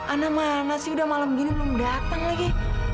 ana mana sih udah malem gini belum dateng lagi